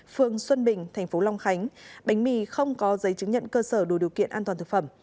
phường xuân bình thành phố long khánh bánh mì không có giấy chứng nhận cơ sở đủ điều kiện an toàn thực phẩm